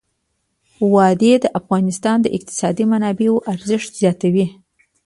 وادي د افغانستان د اقتصادي منابعو ارزښت زیاتوي.